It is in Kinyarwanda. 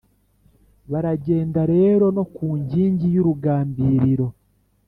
baragenda rero no ku nkingi y’urugambiriro,